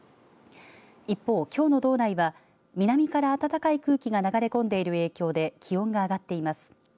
一方、きょうの道内は南から暖かい空気が流れ込んでいる影響で気温が上がっています。